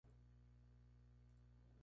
Se distribuye por el Mediterráneo occidental.